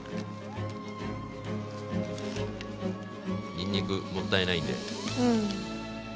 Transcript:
にんにくもったいないんで。